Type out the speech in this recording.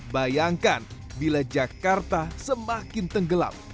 bayangkan bila jakarta semakin tenggelam